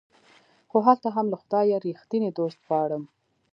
خو هلته هم له خدايه ريښتيني دوست غواړم